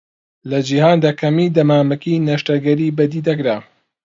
لە جیهاندا کەمی دەمامکی نەشتەرگەری بەدیدەکرا.